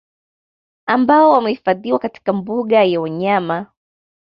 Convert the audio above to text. Ambao wamehifadhiwa katika mbuga ya wanyama